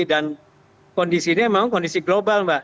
dan kondisi ini memang kondisi global mbak